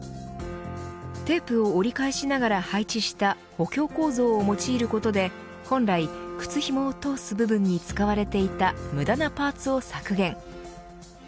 テープを折り返しながら配置した補強構造を用いることで本来靴ひもを通す部分に使われていた無駄なパーツを削減。